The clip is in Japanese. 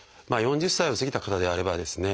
４０歳を過ぎた方であればですね